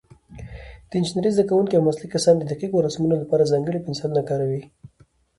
د انجینرۍ زده کوونکي او مسلکي کسان د دقیقو رسمونو لپاره ځانګړي پنسلونه کاروي.